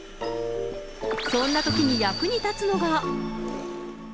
そんなときに役に立つのが。